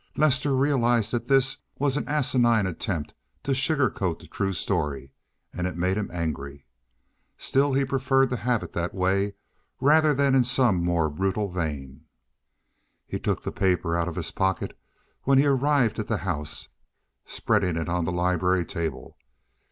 Lester realized that this was an asinine attempt to sugar coat the true story and it made him angry. Still he preferred to have it that way rather than in some more brutal vein. He took the paper out of his pocket when he arrived at the house, spreading it on the library table.